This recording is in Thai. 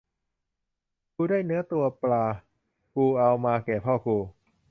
กูได้ตัวเนื้อตัวปลา กูเอามาแก่พ่อกู